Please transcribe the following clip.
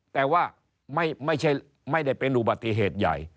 แต่ว่าไม่ได้เป็นอุบัติเหตุใหญ่